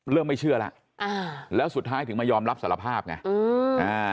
เริ่มไม่เชื่อแล้วแล้วสุดท้ายถึงมายอมรับสารภาพไง